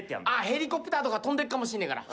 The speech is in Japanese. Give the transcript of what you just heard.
ヘリコプターとか飛んでっかもしんねえから。